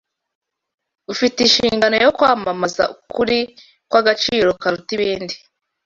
ufite inshingano yo kwamamaza ukuri kw’agaciro karuta ibindi